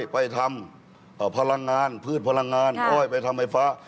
ไปทำพืชพลังงานไปทำไฟฟ้า